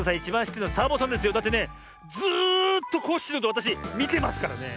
だってねずっとコッシーのことわたしみてますからね。